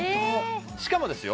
しかもですよ